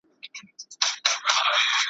ملنګه ! محبت ګني بېخي دلته ناياب دی؟ `